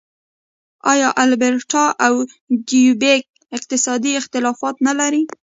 آیا البرټا او کیوبیک اقتصادي اختلافات نلري؟